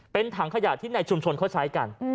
เป็นถังขยะที่ในชุมชนเขาใช้กัน